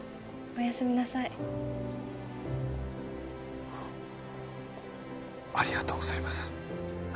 ☎おやすみなさい「ありがとうございます」